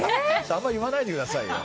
あんま言わないでくださいよ。